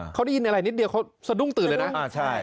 เขาได้ยินอะไรนิดเดียวเขาสะดุ้งตื่นเลยนะ